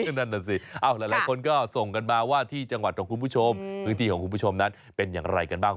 นั่นน่ะสิหลายคนก็ส่งกันมาว่าที่จังหวัดของคุณผู้ชมพื้นที่ของคุณผู้ชมนั้นเป็นอย่างไรกันบ้าง